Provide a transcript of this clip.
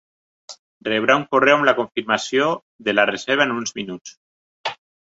Rebrà un correu amb la confirmació de la reserva en uns minuts.